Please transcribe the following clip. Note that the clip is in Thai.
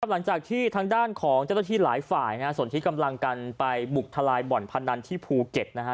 หลังจากที่ทางด้านของเจ้าหน้าที่หลายฝ่ายส่วนที่กำลังกันไปบุกทลายบ่อนพนันที่ภูเก็ตนะฮะ